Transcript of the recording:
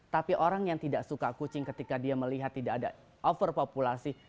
tapi orang yang tidak suka kucing ketika dia melihat tidak ada overpopulasi